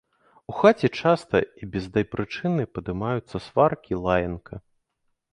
У хаце часта і без дай прычыны падымаюцца сваркі, лаянка.